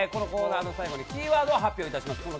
更にこのコーナーの最後にキーワードを発表します。